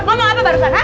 ngomong apa barusan ah